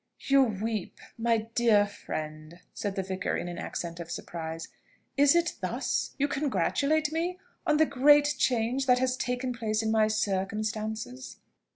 "You weep, my dear friend!" said the vicar in an accent of surprise. "Is it thus you congratulate me on the great change that has taken place in my circumstances?"